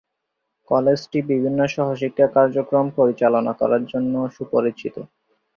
কলেজটি বিভিন্ন সহশিক্ষা কার্যক্রম পরিচালনা করার জন্য সুপরিচিত।